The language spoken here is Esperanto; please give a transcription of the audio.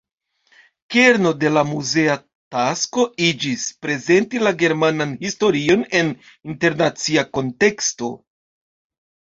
Kerno de la muzea tasko iĝis, "prezenti la germanan historion en internacia konteksto".